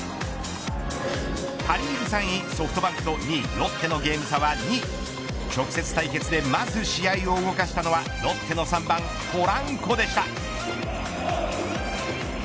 パ・リーグ３位ソフトバンクと２位ロッテのゲーム差は２直接対決で、まず試合を動かしたのはロッテの３番ポランコでした。